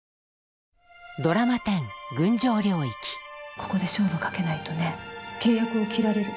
ここで勝負かけないとね契約を切られる。